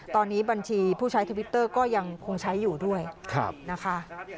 ตอนนี้บัญชีผู้ใช้ทวิตเตอร์ก็ยังคงใช้อยู่ด้วยนะคะ